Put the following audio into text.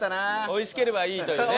おいしければいいというね。